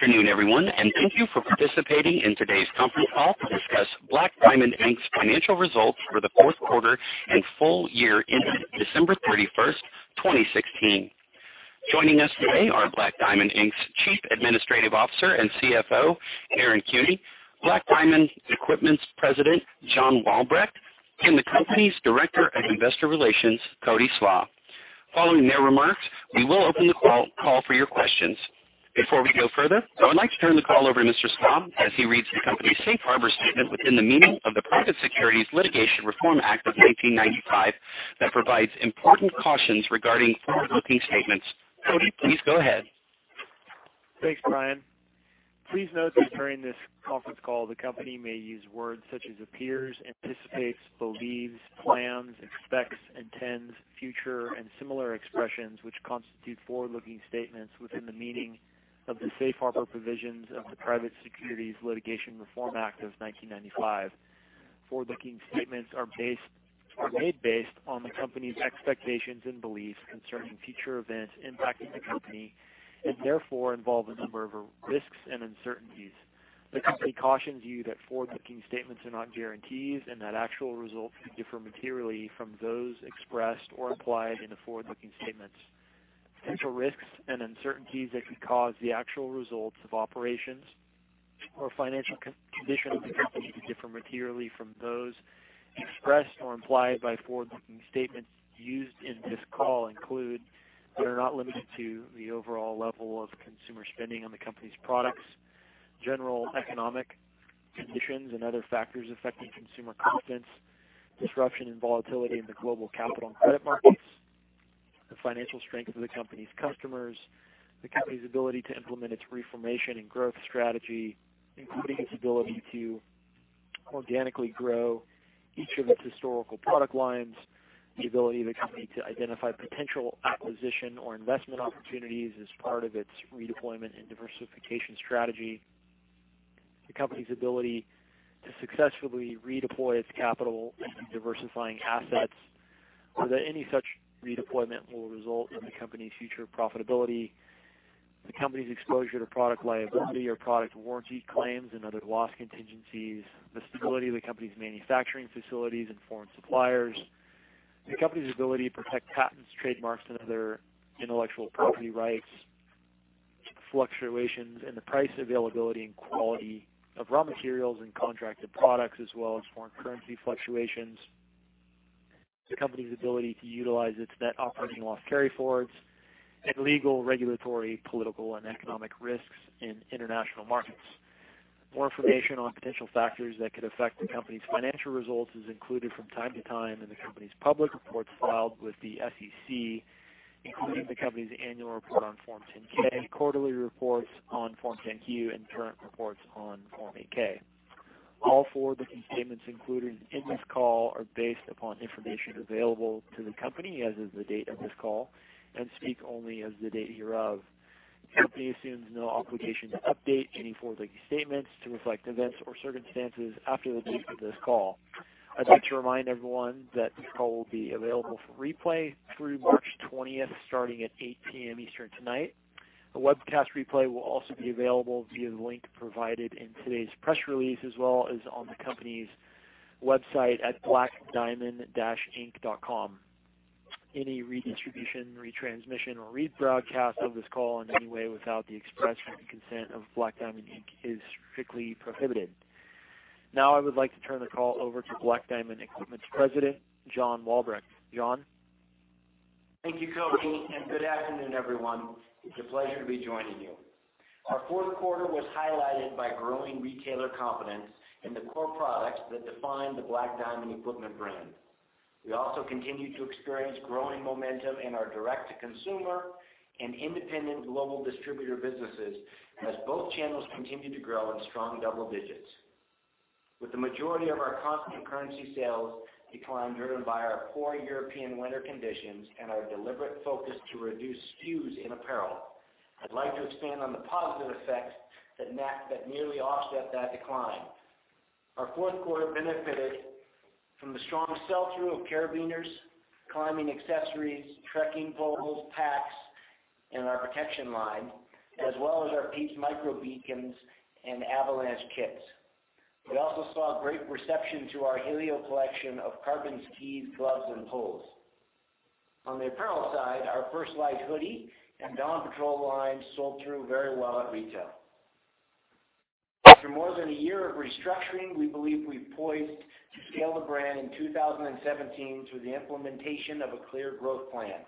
Good afternoon, everyone, and thank you for participating in today's conference call to discuss Black Diamond, Inc's financial results for the fourth quarter and full year ended December 31st, 2016. Joining us today are Black Diamond, Inc's Chief Administrative Officer and CFO, Aaron Kuehne, Black Diamond Equipment's President, John Walbrecht, and the company's Director of Investor Relations, Cody Slach. Following their remarks, we will open the call for your questions. Before we go further, I would like to turn the call over to Mr. Slach as he reads the company's Safe Harbor statement within the meaning of the Private Securities Litigation Reform Act of 1995 that provides important cautions regarding forward-looking statements. Cody, please go ahead. Thanks, Brian. Please note that during this conference call, the company may use words such as appears, anticipates, believes, plans, expects, intends, future, and similar expressions, which constitute forward-looking statements within the meaning of the Safe Harbor provisions of the Private Securities Litigation Reform Act of 1995. Forward-looking statements are made based on the company's expectations and beliefs concerning future events impacting the company and therefore involve a number of risks and uncertainties. The company cautions you that forward-looking statements are not guarantees and that actual results could differ materially from those expressed or implied in the forward-looking statements. Potential risks and uncertainties that could cause the actual results of operations or financial conditions of the company to differ materially from those expressed or implied by forward-looking statements used in this call include, but are not limited to, the overall level of consumer spending on the company's products, general economic conditions and other factors affecting consumer confidence, disruption and volatility in the global capital and credit markets, the financial strength of the company's customers, the company's ability to implement its reformation and growth strategy, including its ability to organically grow each of its historical product lines, the ability of the company to identify potential acquisition or investment opportunities as part of its redeployment and diversification strategy, the company's ability to successfully redeploy its capital and diversifying assets, whether any such redeployment will result in the company's future profitability. The company's exposure to product liability or product warranty claims and other loss contingencies, the stability of the company's manufacturing facilities and foreign suppliers, the company's ability to protect patents, trademarks, and other intellectual property rights, fluctuations in the price, availability, and quality of raw materials and contracted products, as well as foreign currency fluctuations, the company's ability to utilize its net operating loss carryforwards and legal, regulatory, political, and economic risks in international markets. More information on potential factors that could affect the company's financial results is included from time to time in the company's public reports filed with the SEC, including the company's annual report on Form 10-K, quarterly reports on Form 10-Q, and current reports on Form 8-K. All forward-looking statements included in this call are based upon information available to the company as of the date of this call and speak only as the date hereof. The company assumes no obligation to update any forward-looking statements to reflect events or circumstances after the date of this call. I'd like to remind everyone that this call will be available for replay through March 20th, starting at 8:00 PM Eastern tonight. A webcast replay will also be available via the link provided in today's press release, as well as on the company's website at blackdiamond-inc.com. Any redistribution, retransmission, or rebroadcast of this call in any way without the express written consent of Black Diamond, Inc is strictly prohibited. I would like to turn the call over to Black Diamond Equipment's President, John Walbrecht. John? Thank you, Cody. Good afternoon, everyone. It's a pleasure to be joining you. Our fourth quarter was highlighted by growing retailer confidence in the core products that define the Black Diamond Equipment brand. We also continued to experience growing momentum in our direct-to-consumer and independent global distributor businesses as both channels continue to grow in strong double digits. With the majority of our constant currency sales decline driven by our poor European winter conditions and our deliberate focus to reduce SKUs in apparel, I'd like to expand on the positive effects that nearly offset that decline. Our fourth quarter benefited from the strong sell-through of carabiners, climbing accessories, trekking poles, packs, and our protection line, as well as our PIEPS micro beacons and avalanche kits. We also saw great reception to our Helio collection of carbon skis, gloves, and poles. On the apparel side, our First Light hoodie and Dawn Patrol line sold through very well at retail. After more than a year of restructuring, we believe we're poised to scale the brand in 2017 through the implementation of a clear growth plan.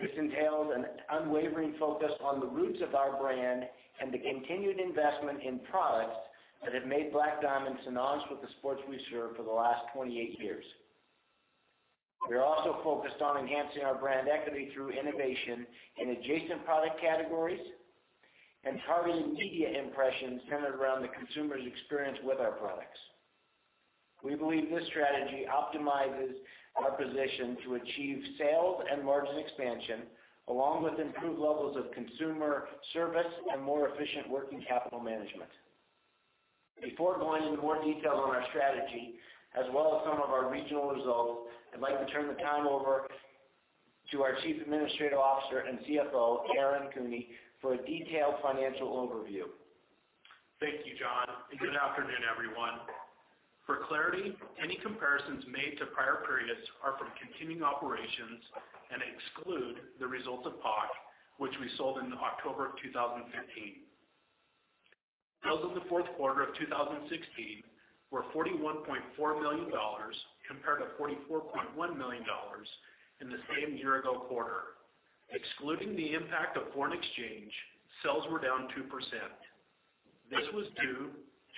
This entails an unwavering focus on the roots of our brand and the continued investment in products that have made Black Diamond synonymous with the sports we serve for the last 28 years. We are also focused on enhancing our brand equity through innovation in adjacent product categories and targeted media impressions centered around the consumer's experience with our products. We believe this strategy optimizes our position to achieve sales and margin expansion, along with improved levels of consumer service and more efficient working capital management. Before going into more detail on our strategy, as well as some of our regional results, I'd like to turn the time over to our Chief Administrative Officer and Chief Financial Officer, Aaron Kuehne, for a detailed financial overview. Thank you, John, good afternoon, everyone. For clarity, any comparisons made to prior periods are from continuing operations and exclude the results of POC, which we sold in October 2015. Sales in the fourth quarter of 2016 were $41.4 million, compared to $44.1 million in the same year-ago quarter. Excluding the impact of foreign exchange, sales were down 2%. This was due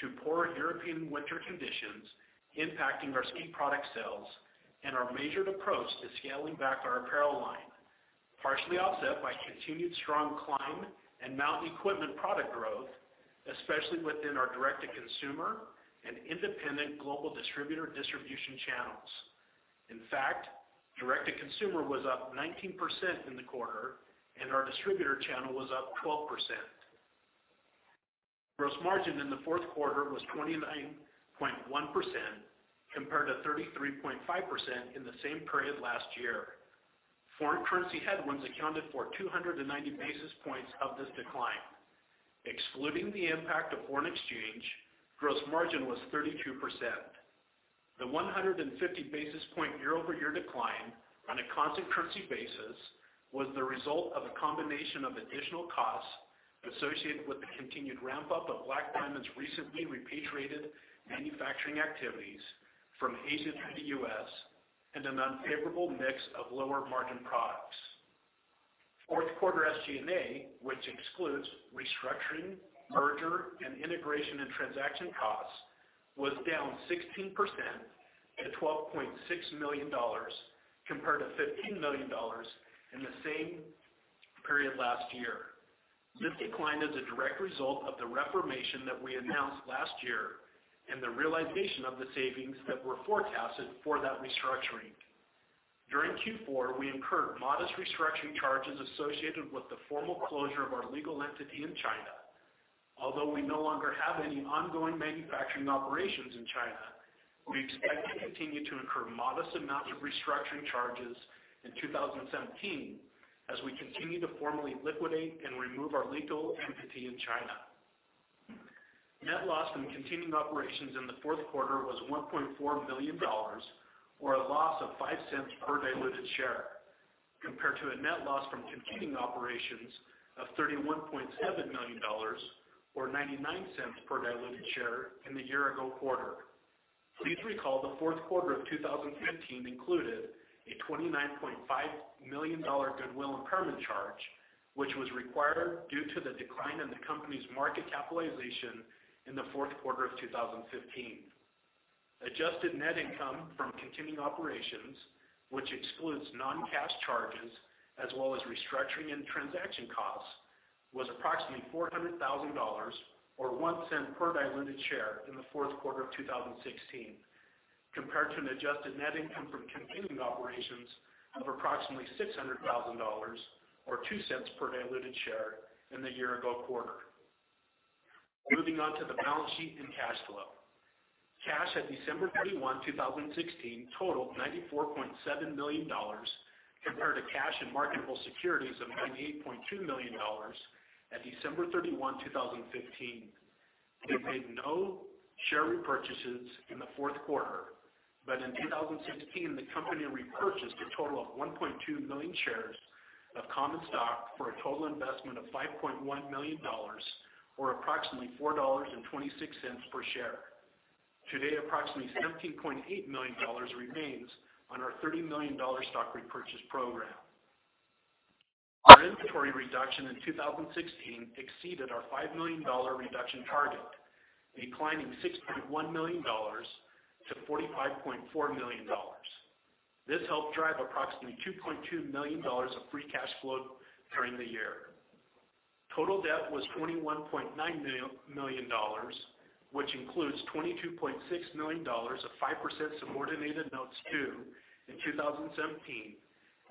to poor European winter conditions impacting our ski product sales and our measured approach to scaling back our apparel line, partially offset by continued strong climb and mountain equipment product growth, especially within our direct-to-consumer and independent global distributor distribution channels. In fact, direct-to-consumer was up 19% in the quarter, and our distributor channel was up 12%. Gross margin in the fourth quarter was 29.1%, compared to 33.5% in the same period last year. Foreign currency headwinds accounted for 290 basis points of this decline. Excluding the impact of foreign exchange, gross margin was 32%. The 150 basis point year-over-year decline on a constant currency basis was the result of a combination of additional costs associated with the continued ramp-up of Black Diamond's recently repatriated manufacturing activities from Asia to the U.S. and an unfavorable mix of lower-margin products. Fourth quarter SG&A, which excludes restructuring, merger and integration and transaction costs, was down 16% at $12.6 million, compared to $15 million in the same period last year. This decline is a direct result of the reformation that we announced last year and the realization of the savings that were forecasted for that restructuring. During Q4, we incurred modest restructuring charges associated with the formal closure of our legal entity in China. Although we no longer have any ongoing manufacturing operations in China, we expect to continue to incur modest amounts of restructuring charges in 2017 as we continue to formally liquidate and remove our legal entity in China. Net loss from continuing operations in the fourth quarter was $1.4 million, or a loss of $0.05 per diluted share, compared to a net loss from continuing operations of $31.7 million, or $0.99 per diluted share in the year-ago quarter. Please recall the fourth quarter of 2015 included a $29.5 million goodwill impairment charge, which was required due to the decline in the company's market capitalization in the fourth quarter of 2015. Adjusted net income from continuing operations, which excludes non-cash charges as well as restructuring and transaction costs, was approximately $400,000, or $0.01 per diluted share in the fourth quarter of 2016, compared to an adjusted net income from continuing operations of approximately $600,000, or $0.02 per diluted share in the year-ago quarter. Moving on to the balance sheet and cash flow. Cash at December 31, 2016 totaled $94.7 million, compared to cash and marketable securities of $98.2 million at December 31, 2015. We made no share repurchases in the fourth quarter, but in 2016, the company repurchased a total of 1.2 million shares of common stock for a total investment of $5.1 million, or approximately $4.26 per share. To date, approximately $17.8 million remains on our $30 million stock repurchase program. Our inventory reduction in 2016 exceeded our $5 million reduction target, declining $6.1 million to $45.4 million. This helped drive approximately $2.2 million of free cash flow during the year. Total debt was $21.9 million, which includes $22.6 million of 5% subordinated notes due in 2017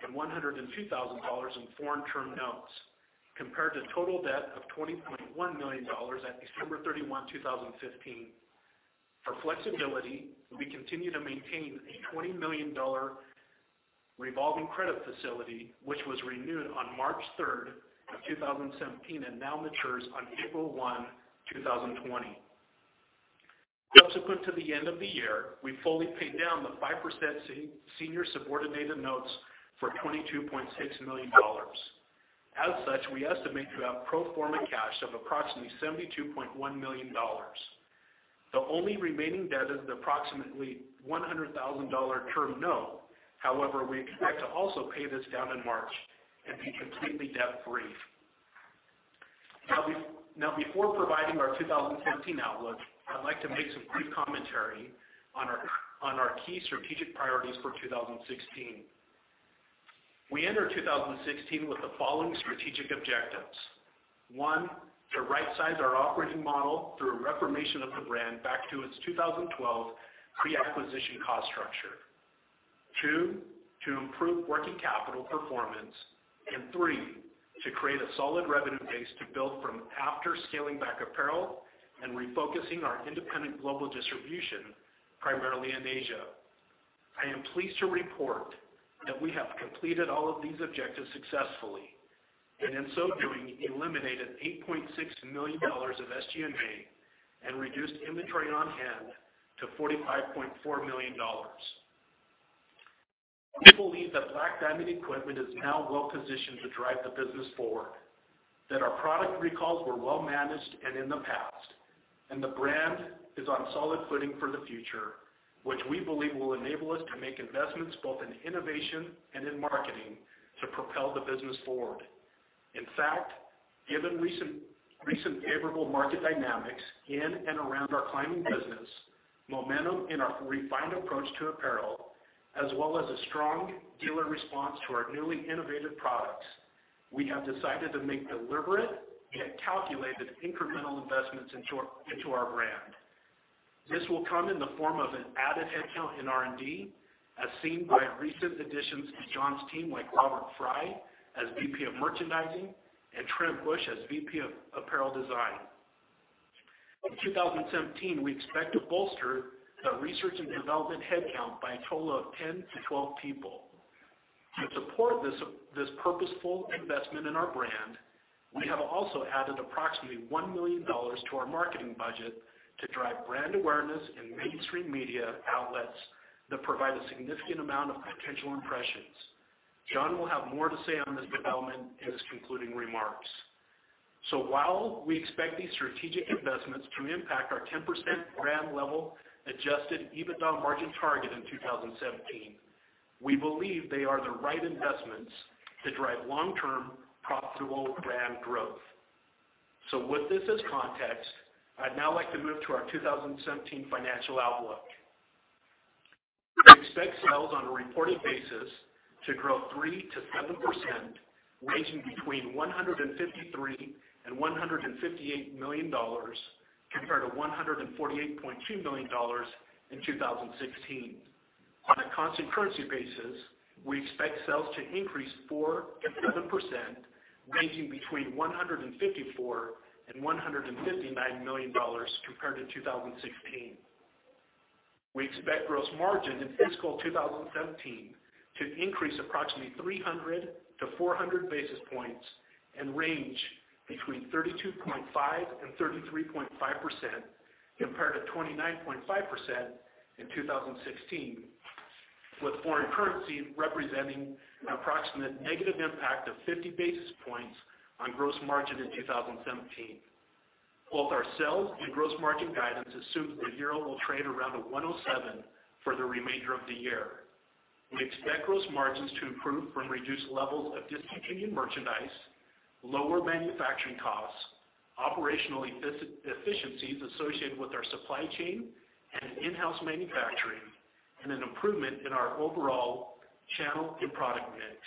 and $102,000 in foreign term notes, compared to total debt of $20.1 million at December 31, 2015. For flexibility, we continue to maintain a $20 million revolving credit facility, which was renewed on March 3rd, 2017, and now matures on April 1, 2020. Subsequent to the end of the year, we fully paid down the 5% senior subordinated notes for $22.6 million. As such, we estimate to have pro forma cash of approximately $72.1 million. The only remaining debt is approximately $100,000 term note. However, we expect to also pay this down in March and be completely debt-free. Now, before providing our 2017 outlook, I'd like to make some brief commentary on our key strategic priorities for 2016. We entered 2016 with the following strategic objectives. One, to rightsize our operating model through a reformation of the brand back to its 2012 pre-acquisition cost structure. Two, to improve working capital performance. Three, to create a solid revenue base to build from after scaling back apparel and refocusing our independent global distribution, primarily in Asia. I am pleased to report that we have completed all of these objectives successfully, and in so doing, eliminated $8.6 million of SG&A and reduced inventory on hand to $45.4 million. We believe that Black Diamond Equipment is now well-positioned to drive the business forward, that our product recalls were well-managed and in the past, and the brand is on solid footing for the future, which we believe will enable us to make investments both in innovation and in marketing to propel the business forward. In fact, given recent favorable market dynamics in and around our climbing business, momentum in our refined approach to apparel, as well as a strong dealer response to our newly innovative products, we have decided to make deliberate and calculated incremental investments into our brand. This will come in the form of an added headcount in R&D, as seen by recent additions to John's team, like Robert Fry as VP of Merchandising and Trent Bush as VP of Apparel Design. In 2017, we expect to bolster the research and development headcount by a total of 10-12 people. To support this purposeful investment in our brand, we have also added approximately $1 million to our marketing budget to drive brand awareness in mainstream media outlets that provide a significant amount of potential impressions. John will have more to say on this development in his concluding remarks. While we expect these strategic investments to impact our 10% Black Diamond brand level adjusted EBITDA margin target in 2017, we believe they are the right investments to drive long-term profitable brand growth. With this as context, I'd now like to move to our 2017 financial outlook. We expect sales on a reported basis to grow 3%-7%, ranging between $153 million and $158 million, compared to $148.2 million in 2016. On a constant currency basis, we expect sales to increase 4%-7%, ranging between $154 million and $159 million compared to 2016. We expect gross margin in fiscal 2017 to increase approximately 300-400 basis points and range between 32.5% and 33.5%, compared to 29.5% in 2016, with foreign currency representing an approximate negative impact of 50 basis points on gross margin in 2017. Both our sales and gross margin guidance assume the euro will trade around 1.07 for the remainder of the year. We expect gross margins to improve from reduced levels of discontinued merchandise, lower manufacturing costs, operational efficiencies associated with our supply chain and in-house manufacturing, and an improvement in our overall channel and product mix.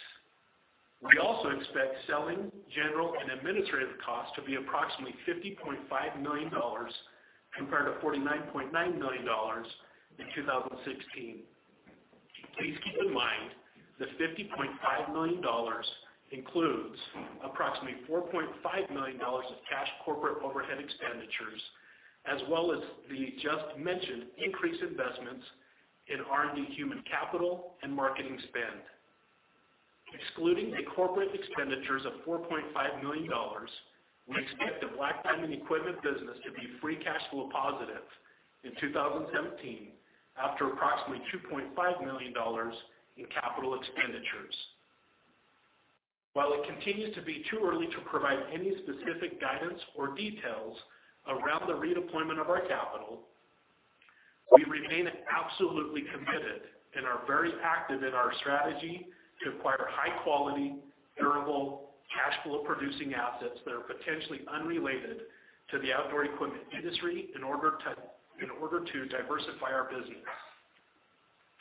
We also expect SG&A costs to be approximately $50.5 million, compared to $49.9 million in 2016. Please keep in mind that $50.5 million includes approximately $4.5 million of cash corporate overhead expenditures, as well as the just-mentioned increased investments in R&D human capital and marketing spend. Excluding the corporate expenditures of $4.5 million, we expect the Black Diamond Equipment business to be free cash flow positive in 2017 after approximately $2.5 million in capital expenditures. While it continues to be too early to provide any specific guidance or details around the redeployment of our capital, we remain absolutely committed and are very active in our strategy to acquire high-quality, durable, cash flow-producing assets that are potentially unrelated to the outdoor equipment industry in order to diversify our business.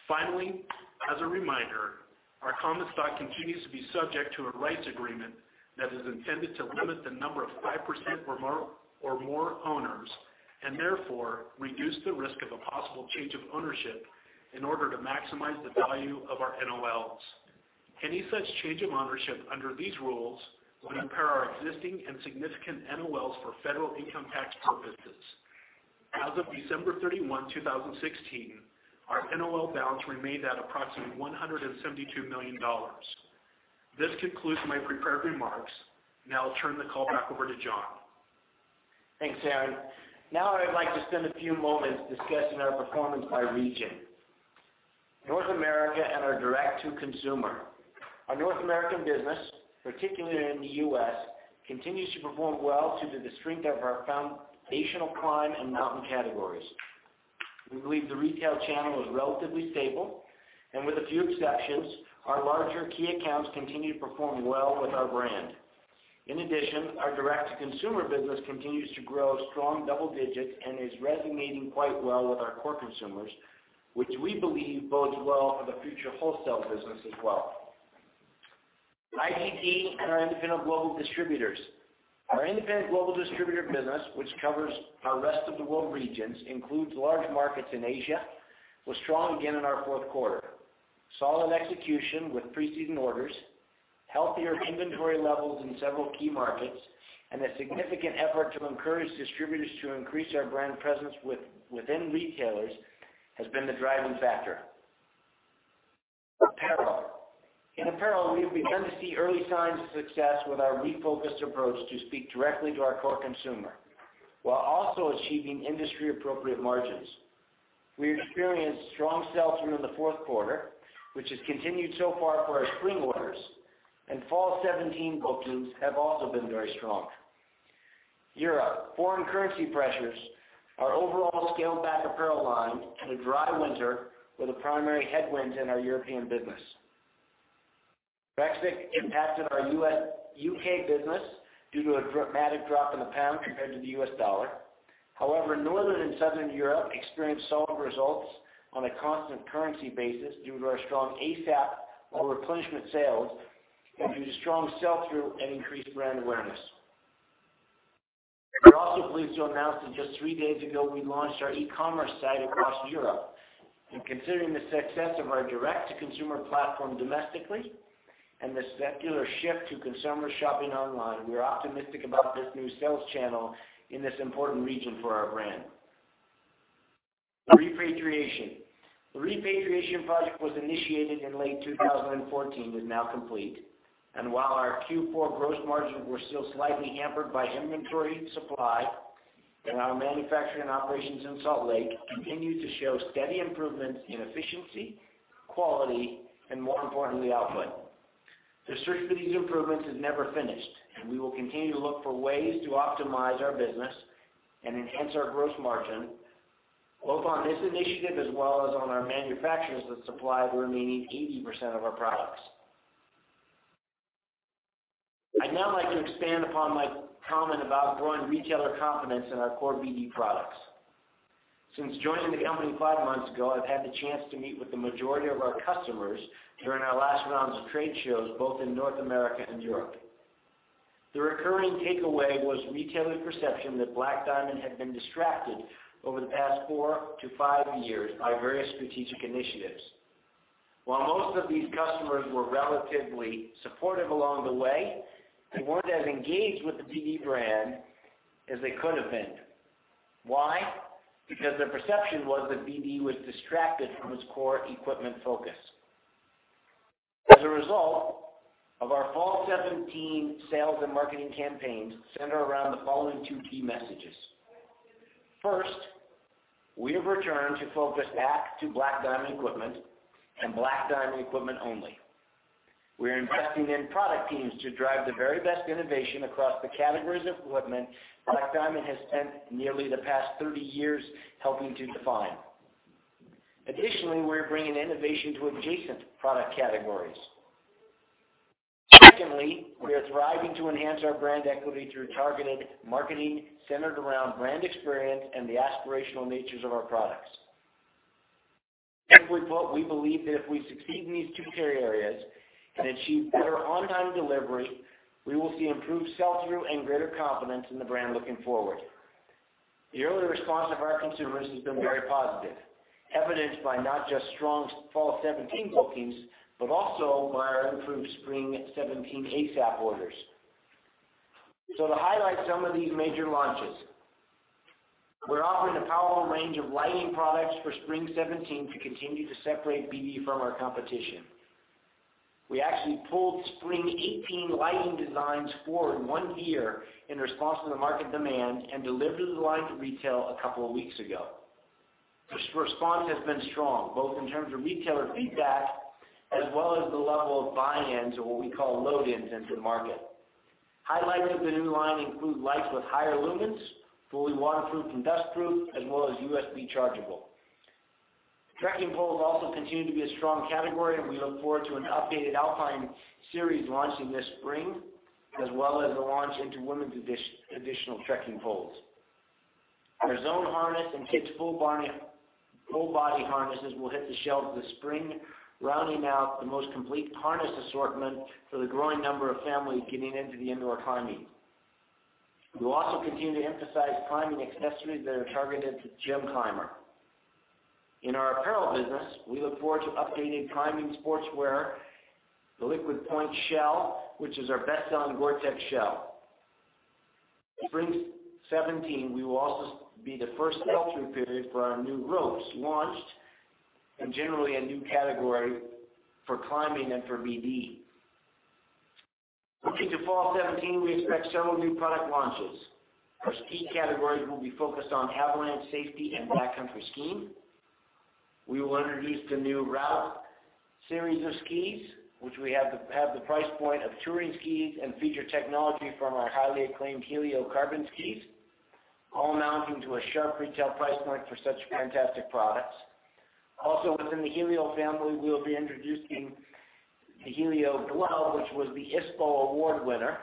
Finally, as a reminder, our common stock continues to be subject to a rights agreement that is intended to limit the number of 5% or more owners, and therefore reduce the risk of a possible change of ownership in order to maximize the value of our NOLs. Any such change of ownership under these rules would impair our existing and significant NOLs for federal income tax purposes. As of December 31, 2016, our NOL balance remained at approximately $172 million. This concludes my prepared remarks. Now I'll turn the call back over to John. Thanks, Aaron. Now I'd like to spend a few moments discussing our performance by region. North America, our direct-to-consumer. Our North American business, particularly in the U.S., continues to perform well due to the strength of our foundational climb and mountain categories. We believe the retail channel is relatively stable, and with a few exceptions, our larger key accounts continue to perform well with our brand. In addition, our direct-to-consumer business continues to grow strong double digits and is resonating quite well with our core consumers, which we believe bodes well for the future wholesale business as well. IGD, our independent global distributors. Our independent global distributor business, which covers our rest of the world regions, includes large markets in Asia, was strong again in our fourth quarter. Solid execution with pre-season orders, healthier inventory levels in several key markets, and a significant effort to encourage distributors to increase our brand presence within retailers has been the driving factor. Apparel. In apparel, we have begun to see early signs of success with our refocused approach to speak directly to our core consumer, while also achieving industry-appropriate margins. We experienced strong sell-through in the fourth quarter, which has continued so far for our spring orders. Fall 2017 bookings have also been very strong. Europe. Foreign currency pressures, our overall scaled-back apparel line, and a dry winter were the primary headwinds in our European business. Brexit impacted our U.K. business due to a dramatic drop in the British pound compared to the U.S. dollar. However, Northern and Southern Europe experienced solid results on a constant currency basis due to our strong ASAP or replenishment sales and due to strong sell-through and increased brand awareness. We're also pleased to announce that just three days ago, we launched our e-commerce site across Europe. Considering the success of our direct-to-consumer platform domestically and the secular shift to consumer shopping online, we are optimistic about this new sales channel in this important region for our brand. Repatriation. The repatriation project was initiated in late 2014 and is now complete. While our Q4 gross margins were still slightly hampered by inventory supply and our manufacturing operations in Salt Lake continued to show steady improvements in efficiency, quality, and more importantly, output. The search for these improvements is never finished, and we will continue to look for ways to optimize our business and enhance our gross margin, both on this initiative as well as on our manufacturers that supply the remaining 80% of our products. I'd now like to expand upon my comment about growing retailer confidence in our core BD products. Since joining the company five months ago, I've had the chance to meet with the majority of our customers during our last rounds of trade shows, both in North America and Europe. The recurring takeaway was retailer perception that Black Diamond had been distracted over the past four to five years by various strategic initiatives. While most of these customers were relatively supportive along the way, they weren't as engaged with the BD brand as they could have been. Why? Because their perception was that BD was distracted from its core equipment focus. As a result of our fall 2017 sales and marketing campaigns center around the following two key messages. First, we have returned to focus back to Black Diamond Equipment and Black Diamond Equipment only. We are investing in product teams to drive the very best innovation across the categories of equipment Black Diamond has spent nearly the past 30 years helping to define. Additionally, we're bringing innovation to adjacent product categories. Secondly, we are striving to enhance our brand equity through targeted marketing centered around brand experience and the aspirational natures of our products. Simply put, we believe that if we succeed in these two key areas and achieve better on-time delivery, we will see improved sell-through and greater confidence in the brand looking forward. The early response of our consumers has been very positive, evidenced by not just strong fall 2017 bookings, but also by our improved spring 2017 ASAP orders. To highlight some of these major launches, we're offering a powerful range of lighting products for spring 2017 to continue to separate BD from our competition. We actually pulled spring 2018 lighting designs forward one year in response to the market demand and delivered the line to retail a couple of weeks ago. The response has been strong, both in terms of retailer feedback as well as the level of buy-ins or what we call load-ins into the market. Highlights of the new line include lights with higher lumens, fully waterproof and dustproof, as well as USB chargeable. Trekking poles also continue to be a strong category. We look forward to an updated Alpine Series launching this spring, as well as the launch into women's additional trekking poles. Our Zone Harness and kids' full body harnesses will hit the shelves this spring, rounding out the most complete harness assortment for the growing number of families getting into indoor climbing. We will also continue to emphasize climbing accessories that are targeted to the gym climber. In our apparel business, we look forward to updated climbing sportswear, the Liquid Point Shell, which is our best-selling GORE-TEX shell. Spring 2017 will also be the first sell-through period for our new ropes launched, and generally a new category for climbing and for BD. Looking to fall 2017, we expect several new product launches. Our ski categories will be focused on avalanche safety and backcountry skiing. We will introduce the new Route series of skis, which will have the price point of touring skis and feature technology from our highly acclaimed Helio carbon skis, all amounting to a sharp retail price point for such fantastic products. Also within the Helio family, we'll be introducing the Helio Glove, which was the ISPO award winner,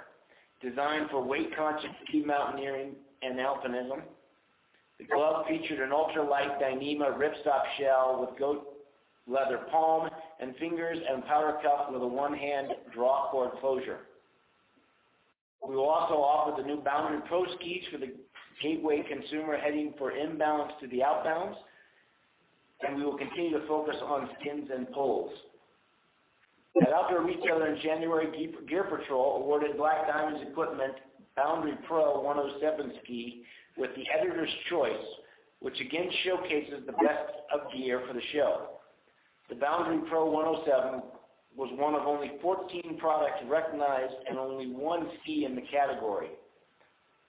designed for weight-conscious ski mountaineering and alpinism. The Glove featured an ultra-light Dyneema Ripstop shell with goat leather palm and fingers and power cuff with a one-hand draw cord closure. We will also offer the new Boundary Pro skis for the gateway consumer heading for inbounds to the outbounds. We will continue to focus on skins and poles. At Outdoor Retailer in January, Gear Patrol awarded Black Diamond Equipment Boundary Pro 107 ski with the Editors' Choice, which again showcases the best of gear for the show. The Boundary Pro 107 was one of only 14 products recognized and only one ski in the category.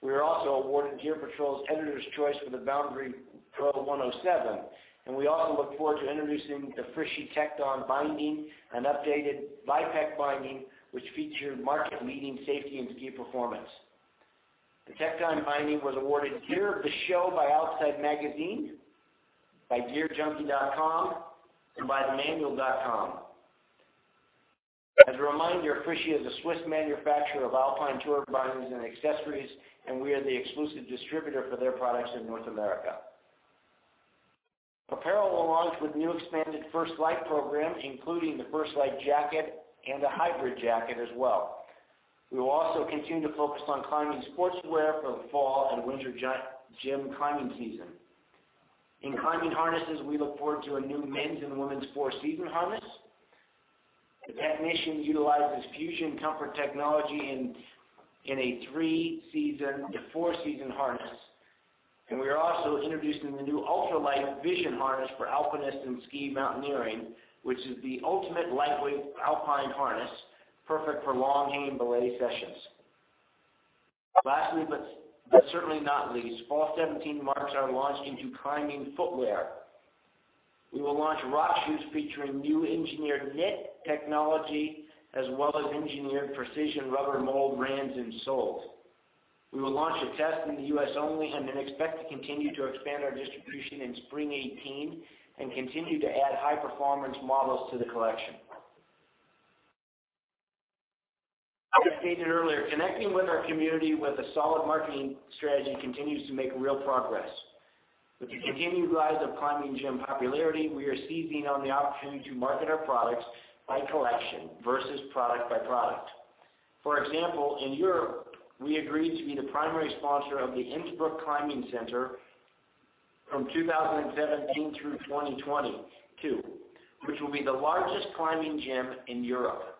We were also awarded Gear Patrol's Editors' Choice for the Boundary Pro 107, and we also look forward to introducing the Fritschi Tecton binding, an updated Vipec binding which featured market-leading safety and ski performance. The Tecton binding was awarded Gear of the Show by Outside Magazine, by gearjunkie.com, and by TheManual.com. As a reminder, Fritschi is a Swiss manufacturer of alpine tour bindings and accessories, and we are the exclusive distributor for their products in North America. Apparel will launch with new expanded First Light program, including the First Light jacket and a hybrid jacket as well. We will also continue to focus on climbing sportswear for the fall and winter gym climbing season. In climbing harnesses, we look forward to a new men's and women's four-season harness. The Technician utilizes Fusion Comfort Technology in a four-season harness. We are also introducing the new ultra-light Vision harness for alpinists and ski mountaineering, which is the ultimate lightweight alpine harness, perfect for long hang belay sessions. Lastly, but certainly not least, fall 2017 marks our launch into climbing footwear. We will launch rock shoes featuring new engineered knit technology, as well as engineered precision rubber mold rands and soles. We will launch a test in the U.S. only. Then expect to continue to expand our distribution in spring 2018 and continue to add high-performance models to the collection. As I stated earlier, connecting with our community with a solid marketing strategy continues to make real progress. With the continued rise of climbing gym popularity, we are seizing on the opportunity to market our products by collection versus product by product. For example, in Europe, we agreed to be the primary sponsor of the Kletterzentrum Innsbruck from 2017 through 2022, which will be the largest climbing gym in Europe.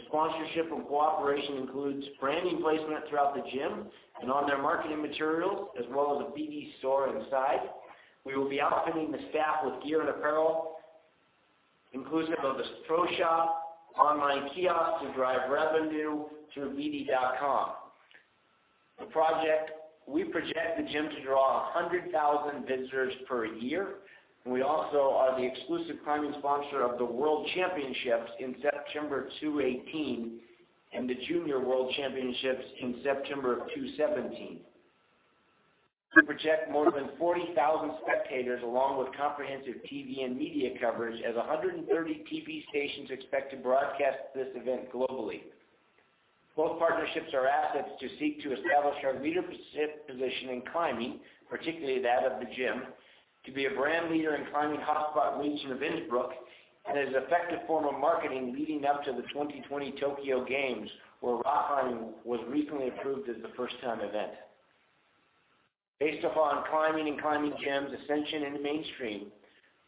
The sponsorship and cooperation includes branding placement throughout the gym and on their marketing materials, as well as a BD store inside. We will be outfitting the staff with gear and apparel, inclusive of a pro shop online kiosk to drive revenue through bd.com. We project the gym to draw 100,000 visitors per year, and we also are the exclusive climbing sponsor of the IFSC Climbing World Championships in September 2018 and the IFSC Youth World Championships in September of 2017. We project more than 40,000 spectators along with comprehensive TV and media coverage as 130 TV stations expect to broadcast this event globally. Both partnerships are assets to seek to establish our leadership position in climbing, particularly that of the gym, to be a brand leader in climbing hotspot region of Innsbruck, and as an effective form of marketing leading up to the 2020 Tokyo Games, where rock climbing was recently approved as a first-time event. Based upon climbing and climbing gyms' ascension into mainstream,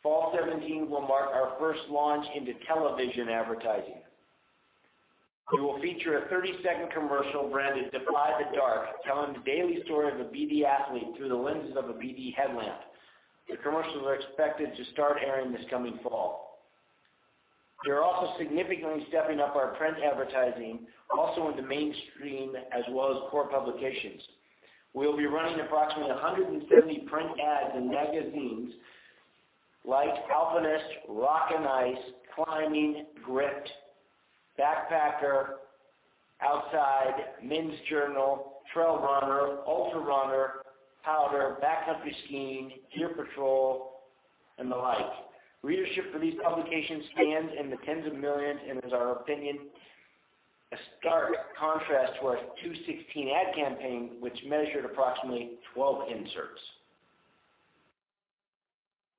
fall 2017 will mark our first launch into television advertising. We will feature a 30-second commercial branded "Defy the Dark", telling the daily story of a BD athlete through the lenses of a BD headlamp. The commercials are expected to start airing this coming fall. We are also significantly stepping up our print advertising, also in the mainstream, as well as core publications. We'll be running approximately 150 print ads in magazines like Alpinist, Rock and Ice, Climbing, Gripped, Backpacker, Outside, Men's Journal, Trail Runner, Ultra Runner, Powder, Backcountry Magazine, Gear Patrol, and the like. Readership for these publications stands in the tens of millions and is, in our opinion, a stark contrast to our 2016 ad campaign, which measured approximately 12 inserts.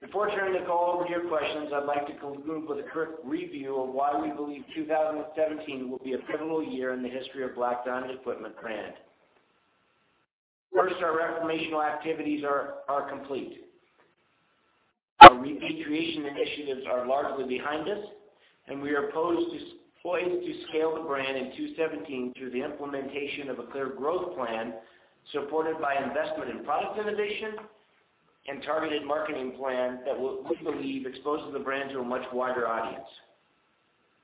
Before turning the call over to your questions, I'd like to conclude with a quick review of why we believe 2017 will be a pivotal year in the history of Black Diamond Equipment brand. First, our reformational activities are complete. Our repatriation initiatives are largely behind us, and we are poised to scale the brand in 2017 through the implementation of a clear growth plan, supported by investment in product innovation and targeted marketing plan that we believe exposes the brand to a much wider audience.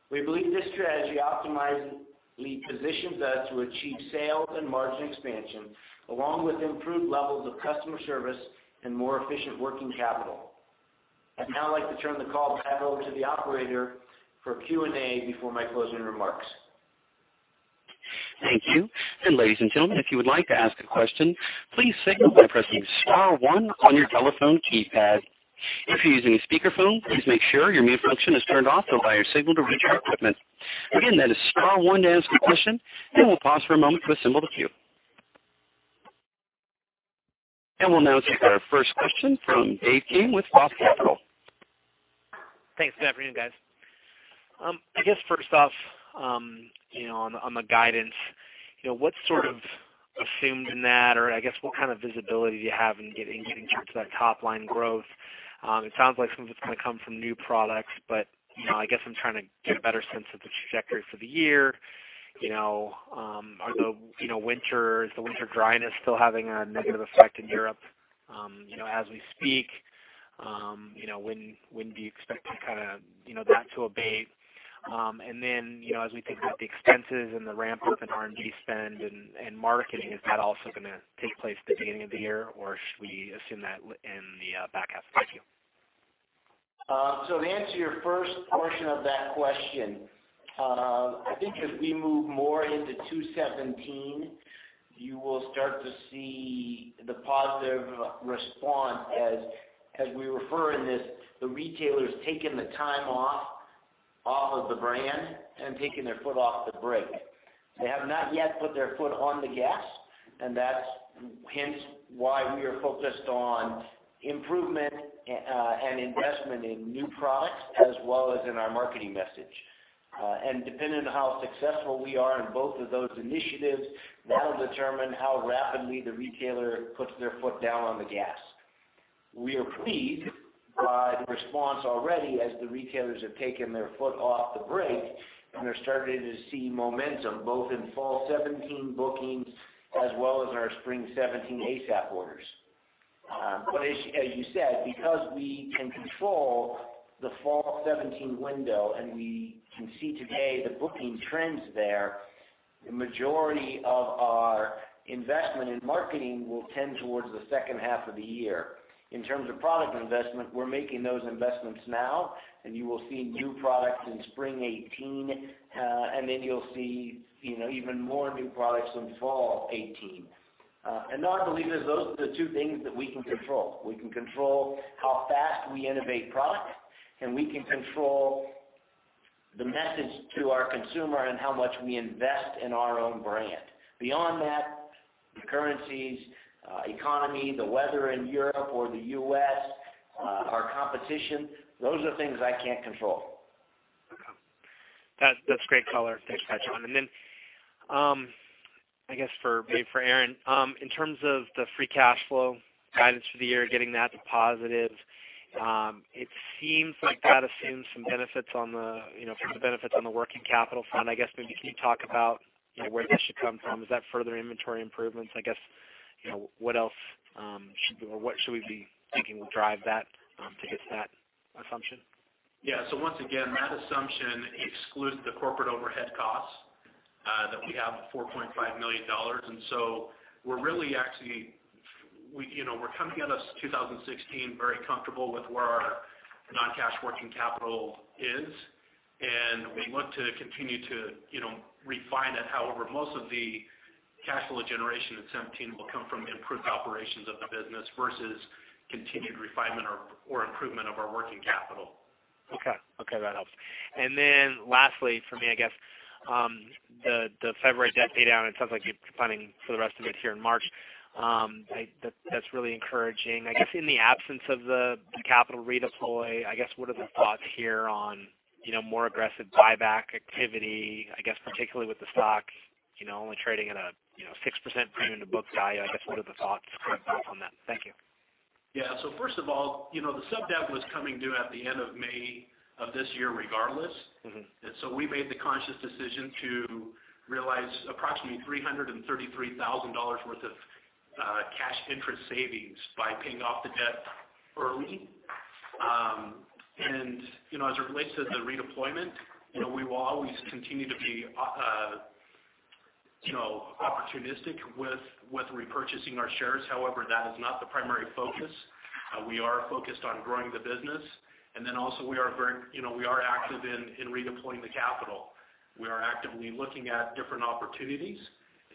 We believe this strategy optimally positions us to achieve sales and margin expansion along with improved levels of customer service and more efficient working capital. I'd now like to turn the call back over to the operator for Q&A before my closing remarks. Thank you. Ladies and gentlemen, if you would like to ask a question, please signal by pressing star one on your telephone keypad. If you're using a speakerphone, please make sure your mute function is turned off so as to allow your signal to reach our equipment. Again, that is star one to ask a question. We'll pause for a moment to assemble the queue. We'll now take our first question from Dave King with ROTH Capital. Thanks. Good afternoon, guys. I guess first off, on the guidance, what's sort of assumed in that, or I guess what kind of visibility do you have in getting back to that top-line growth? It sounds like some of it's going to come from new products, but I guess I'm trying to get a better sense of the trajectory for the year. Is the winter dryness still having a negative effect in Europe as we speak? When do you expect that to abate? As we think about the expenses and the ramp-up in R&D spend and marketing, is that also going to take place at the beginning of the year, or should we assume that in the back half? Thank you. To answer your first portion of that question, I think as we move more into 2017, you will start to see the positive response as we refer in this, the retailers taking the time off of the brand and taking their foot off the brake. They have not yet put their foot on the gas, and that's hence why we are focused on improvement and investment in new products as well as in our marketing message. Depending on how successful we are in both of those initiatives, that'll determine how rapidly the retailer puts their foot down on the gas. We are pleased by the response already as the retailers have taken their foot off the brake, and they're starting to see momentum both in fall 2017 bookings as well as our spring 2017 ASAP orders. As you said, because we can control the fall 2017 window and we can see today the booking trends there, the majority of our investment in marketing will tend towards the second half of the year. In terms of product investment, we're making those investments now, and you will see new products in spring 2018, and then you'll see even more new products in fall 2018. I believe those are the two things that we can control. We can control how fast we innovate product, and we can control the message to our consumer and how much we invest in our own brand. Beyond that, the currencies, economy, the weather in Europe or the U.S., our competition, those are things I can't control. Okay. That's great color. Thanks for that, John. I guess maybe for Aaron, in terms of the free cash flow guidance for the year, getting that to positive, it seems like that assumes some benefits on the working capital front. I guess maybe can you talk about where this should come from? Is that further inventory improvements? I guess, what else should we be thinking will drive that to hit that assumption? Once again, that assumption excludes the corporate overhead costs that we have of $4.5 million. We're really actually coming out of 2016 very comfortable with where our non-cash working capital is, and we look to continue to refine it. However, most of the cash flow generation in 2017 will come from improved operations of the business versus continued refinement or improvement of our working capital. Okay. That helps. Lastly for me, I guess, the February debt pay down, it sounds like you're planning for the rest of it here in March. That's really encouraging. I guess in the absence of the capital redeploy, I guess what are the thoughts here on more aggressive buyback activity? I guess particularly with the stock only trading at a 6% premium to book value, I guess what are the thoughts on that? Thank you. Yeah. First of all, the sub-debt was coming due at the end of May of this year regardless. We made the conscious decision to realize approximately $333,000 worth of cash interest savings by paying off the debt early. As it relates to the redeployment, we will always continue to be opportunistic with repurchasing our shares. However, that is not the primary focus. We are focused on growing the business. Also we are active in redeploying the capital. We are actively looking at different opportunities,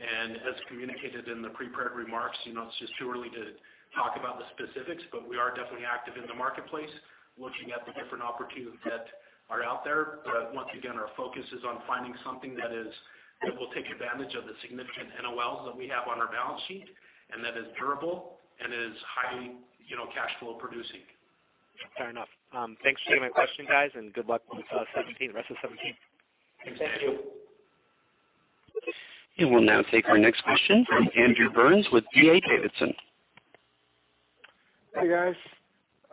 and as communicated in the prepared remarks, it's just too early to talk about the specifics, but we are definitely active in the marketplace looking at the different opportunities that are out there. Once again, our focus is on finding something that will take advantage of the significant NOLs that we have on our balance sheet and that is durable and is highly cash flow producing. Fair enough. Thanks for taking my question, guys, and good luck with the rest of 2017. Thank you. We will now take our next question from Andrew Burns with D.A. Davidson. Hey, guys.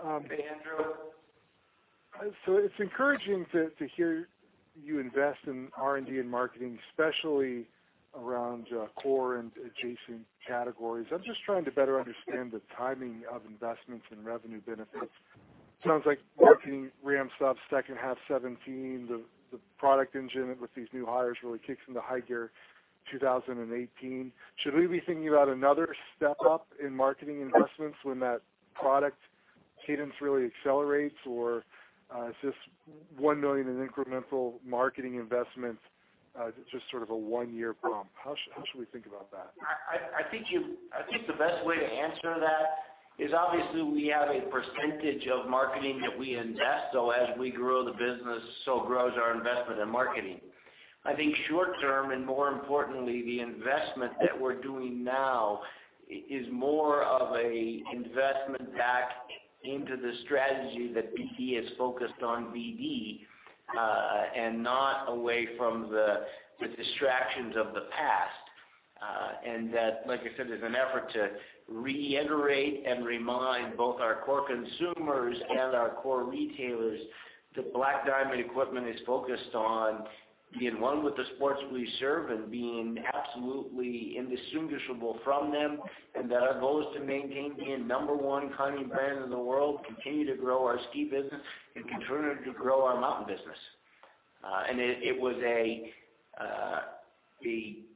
Hey, Andrew. It's encouraging to hear you invest in R&D and marketing, especially around core and adjacent categories. I'm just trying to better understand the timing of investments and revenue benefits. It sounds like marketing ramps up second half 2017. The product engine with these new hires really kicks into high gear 2018. Should we be thinking about another step up in marketing investments when that product cadence really accelerates, or is this $1 million in incremental marketing investments, just sort of a one-year bump? How should we think about that? I think the best way to answer that is obviously we have a percentage of marketing that we invest, so as we grow the business, so grows our investment in marketing. I think short-term, and more importantly, the investment that we're doing now is more of a investment back into the strategy that BD has focused on BD, and not away from the distractions of the past. That, like I said, is an effort to reiterate and remind both our core consumers and our core retailers that Black Diamond Equipment is focused on being one with the sports we serve and being absolutely indistinguishable from them, and that our goal is to maintain being number one climbing brand in the world, continue to grow our ski business, and continue to grow our mountain business. It was a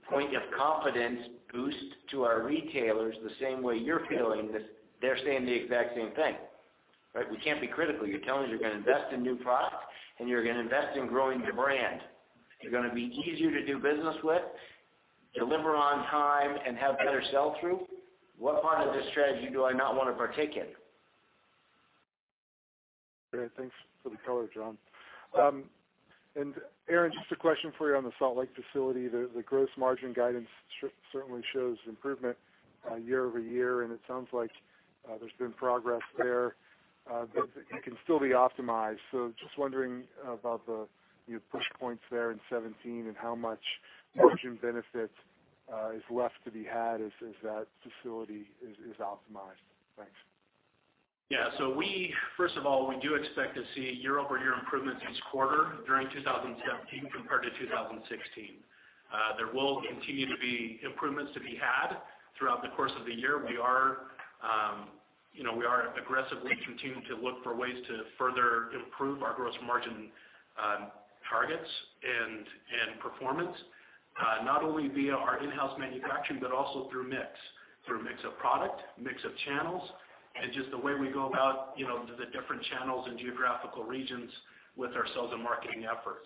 point of confidence boost to our retailers the same way you're feeling, they're saying the exact same thing. We can't be critical. You're telling us you're going to invest in new product, and you're going to invest in growing the brand. You're going to be easier to do business with, deliver on time, and have better sell-through. What part of this strategy do I not want to partake in? Great. Thanks for the color, John. Aaron, just a question for you on the Salt Lake facility. The gross margin guidance certainly shows improvement year-over-year, and it sounds like there's been progress there, but it can still be optimized. Just wondering about the push points there in 2017, and how much margin benefit is left to be had as that facility is optimized. Thanks. Yeah. First of all, we do expect to see year-over-year improvements each quarter during 2017 compared to 2016. There will continue to be improvements to be had throughout the course of the year. We are aggressively continuing to look for ways to further improve our gross margin targets and performance, not only via our in-house manufacturing, but also through mix. Through mix of product, mix of channels, and just the way we go about the different channels and geographical regions with our sales and marketing efforts.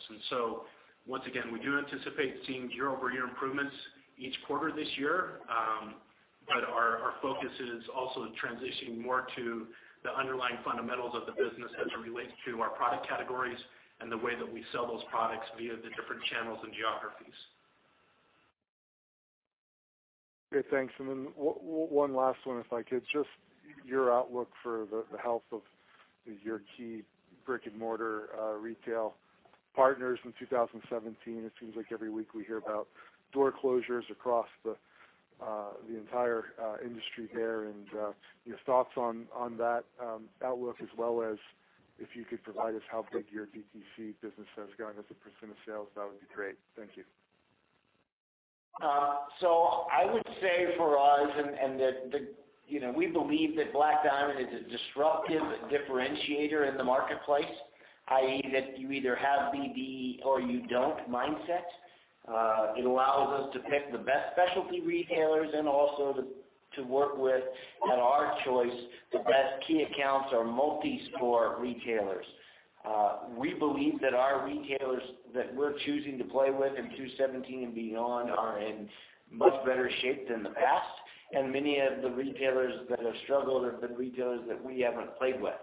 Once again, we do anticipate seeing year-over-year improvements each quarter this year. Our focus is also transitioning more to the underlying fundamentals of the business as it relates to our product categories and the way that we sell those products via the different channels and geographies. Great. Thanks. One last one, if I could. Just your outlook for the health of your key brick-and-mortar retail partners in 2017. It seems like every week we hear about door closures across the entire industry there, your thoughts on that outlook, as well as if you could provide us how good your DTC business has gone as a percentage of sales, that would be great. Thank you. I would say for us, and that we believe that Black Diamond is a disruptive differentiator in the marketplace, i.e., that you either have BD or you don't mindset. It allows us to pick the best specialty retailers and also to work with, at our choice, the best key accounts or multi-store retailers. We believe that our retailers that we're choosing to play with in 2017 and beyond are in much better shape than the past, and many of the retailers that have struggled have been retailers that we haven't played with.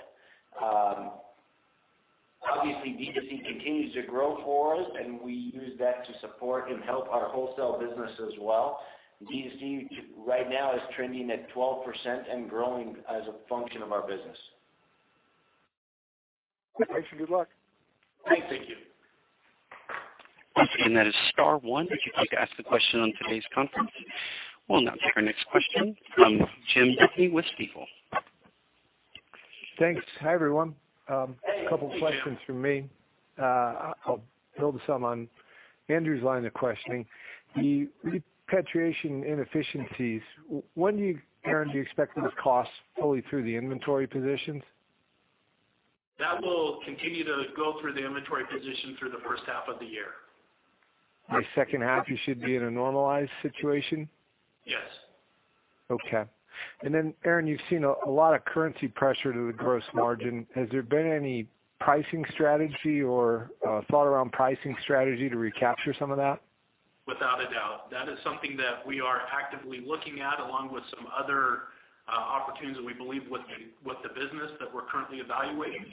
Obviously, DTC continues to grow for us, and we use that to support and help our wholesale business as well. DTC right now is trending at 12% and growing as a function of our business. Thanks, and good luck. Thank you. That is star one if you'd like to ask a question on today's conference. We'll now take our next question from Jim Duffy with Stifel. Thanks. Hi, everyone. A couple questions from me. I'll build some on Andrew's line of questioning. The repatriation inefficiencies, when do you, Aaron, expect those costs fully through the inventory positions? That will continue to go through the inventory position through the first half of the year. By second half, you should be in a normalized situation? Yes. Okay. Aaron, you've seen a lot of currency pressure to the gross margin. Has there been any pricing strategy or thought around pricing strategy to recapture some of that? Without a doubt. That is something that we are actively looking at, along with some other opportunities that we believe with the business that we're currently evaluating.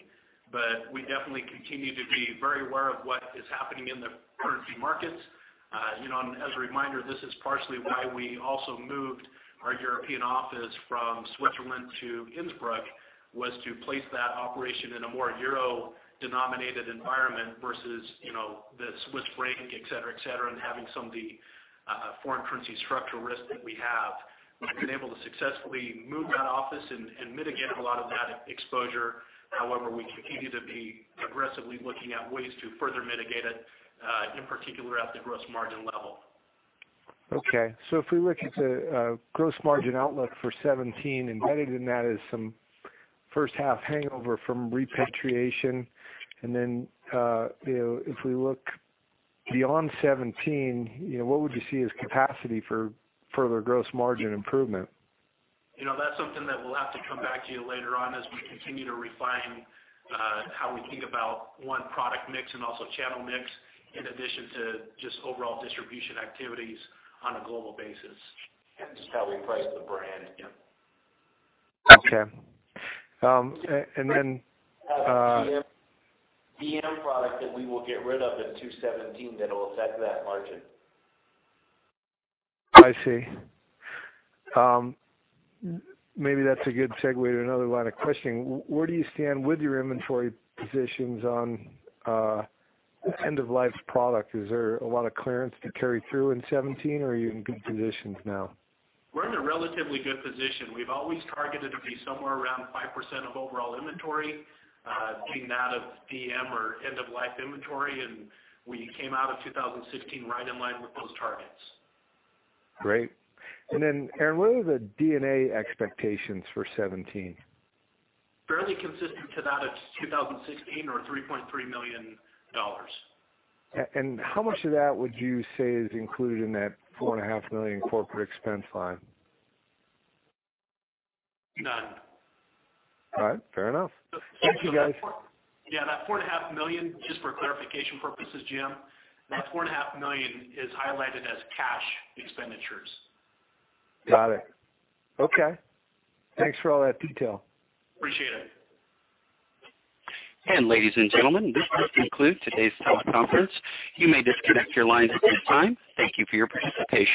We definitely continue to be very aware of what is happening in the currency markets. As a reminder, this is partially why we also moved our European office from Switzerland to Innsbruck, was to place that operation in a more euro-denominated environment versus the Swiss franc, et cetera, and having some of the foreign currency structure risk that we have. We've been able to successfully move that office and mitigate a lot of that exposure. We continue to be aggressively looking at ways to further mitigate it, in particular at the gross margin level. Okay. If we look at the gross margin outlook for 2017, embedded in that is some first half hangover from repatriation, and then if we look beyond 2017, what would you see as capacity for further gross margin improvement? That's something that we'll have to come back to you later on as we continue to refine how we think about, one, product mix and also channel mix, in addition to just overall distribution activities on a global basis. Just how we price the brand. Yeah. Okay. We have a DM product that we will get rid of in 2017 that will affect that margin. I see. Maybe that's a good segue to another line of questioning. Where do you stand with your inventory positions on end-of-life product? Is there a lot of clearance to carry through in 2017, or are you in good positions now? We're in a relatively good position. We've always targeted to be somewhere around 5% of overall inventory being that of DM or end-of-life inventory. We came out of 2016 right in line with those targets. Great. Aaron, what are the D&A expectations for 2017? Fairly consistent to that of 2016 or $3.3 million. How much of that would you say is included in that $4.5 million corporate expense line? None. All right. Fair enough. Thank you, guys. Yeah, that $4.5 million, just for clarification purposes, Jim, that $4.5 million is highlighted as cash expenditures. Got it. Okay. Thanks for all that detail. Appreciate it. Ladies and gentlemen, this does conclude today's teleconference. You may disconnect your lines at this time. Thank you for your participation.